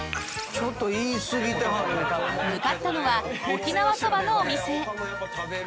［向かったのは沖縄そばのお店］